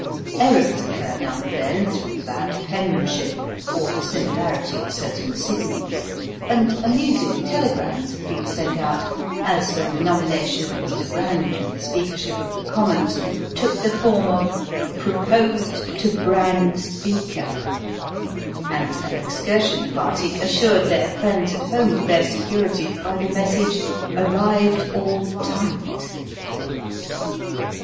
Errors occur now and then through bad penmanship or the similarity of certain signals, and amusing telegrams have been sent out, as when the nomination of Mr. Brand for the Speakership of the Commons took the form of "Proposed to brand Speaker"; and an excursion party assured their friends at home of their security by the message, "Arrived all tight."